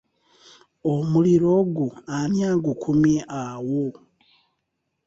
Omuliro ogwo ani agukumye awo?